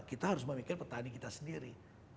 kita harus memikir petani kita sendiri